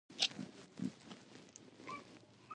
د نیمروز په چخانسور کې د مالګې نښې شته.